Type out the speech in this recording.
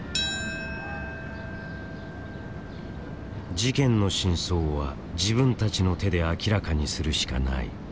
事件の真相は自分たちの手で明らかにするしかない。